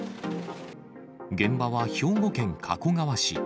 現場は兵庫県加古川市。